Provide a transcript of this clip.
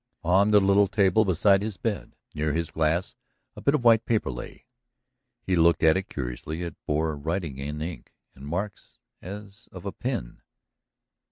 On the little table beside his bed, near his glass, a bit of white paper lay. He looked at it curiously. It bore writing in ink and marks as of a pin.